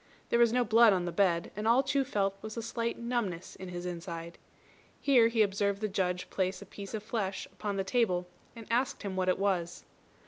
There was no blood on the bed, and all Chu felt was a slight numbness in his inside. Here he observed the Judge place a piece of flesh upon the table, and asked him what it was.